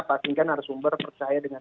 saya kira itu yang